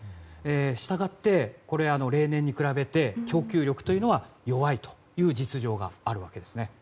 したがって、例年に比べて供給力が弱いという実情があるわけですね。